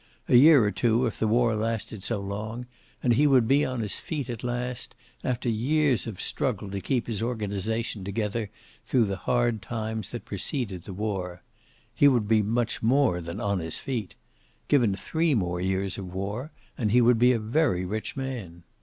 A year or two, if the war lasted so long, and he would be on his feet at last, after years of struggle to keep his organization together through the hard times that preceded the war. He would be much more than on his feet. Given three more years of war, and he would be a very rich man.